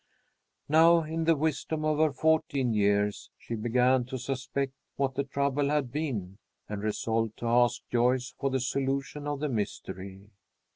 Now, in the wisdom of her fourteen years, she began to suspect what the trouble had been, and resolved to ask Joyce for the solution of the mystery.